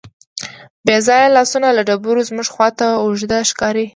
بېځانه لاسونه له ډبرې زموږ خواته اوږده ښکاري.